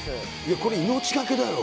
これ、命懸けだろう。